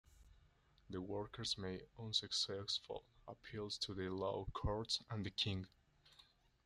The workers made unsuccessful appeals to the law courts and the King.